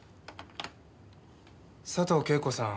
佐藤景子さん